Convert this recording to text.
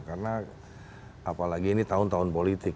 karena apalagi ini tahun tahun politik